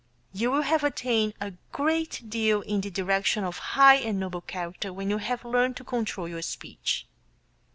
You will have attained a great deal in the direction of high and noble character when you have learned to control your speech.